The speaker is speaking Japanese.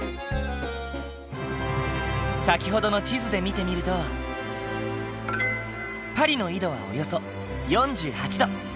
先ほどの地図で見てみるとパリの緯度はおよそ４８度。